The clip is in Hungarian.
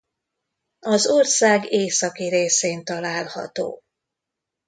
Az ország északi részén található.